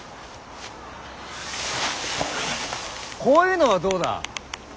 こういうのはどうだ。